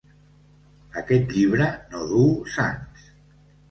Aquest llibre no duu sants.